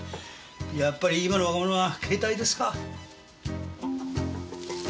やっぱり今の若者は携帯ですか。